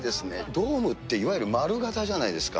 ドームって、いわゆる丸型じゃないですか。